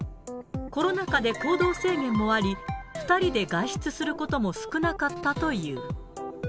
コロナ禍で行動制限もあり、２人で外出することも少なかったという。